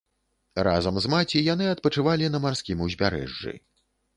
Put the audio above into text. Разам з маці яны адпачывалі на марскім узбярэжжы.